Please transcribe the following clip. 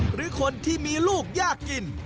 หรือคนที่มีลูกยากกิน